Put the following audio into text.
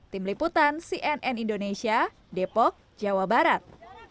tim liputan cnn indonesia depok jawa barat